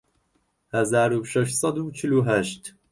هەزار و شەش سەد و چل و هەشت